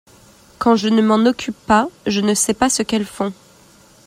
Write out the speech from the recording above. quand je ne m'en occupe pas je ne sais pas ce qu'elles font.